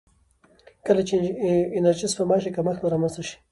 کله چې انرژي سپما شي، کمښت به رامنځته نه شي.